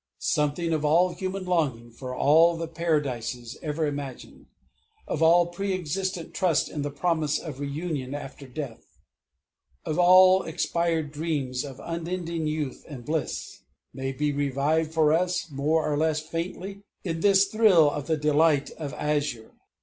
Something of all human longing for all the Paradises ever imagined, of all pre existent trust in the promise of reunion after death, of all expired dreams of unending youth and bliss, may be revived for us, more or less faintly, in this thrill of the delight of azure.